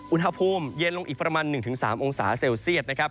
อุณหภูมิเย็นลงอีกประมาณ๑๓องศาเซลเซียตนะครับ